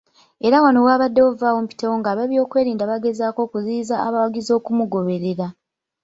Era wano wabaddewo Vvaawo mpitewo ng'abeebyokwerinda bagezaako okuziyiza abawagizi okumugoberera.